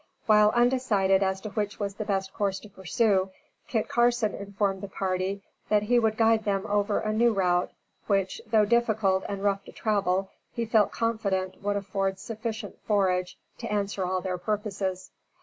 While undecided as to which was the best course to pursue, Kit Carson informed the party that he could guide them over a new route which, though difficult and rough to travel, he felt confident would afford sufficient forage to answer all their purposes.